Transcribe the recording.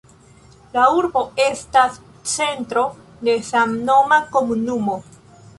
La urbo estas centro de samnoma komunumo.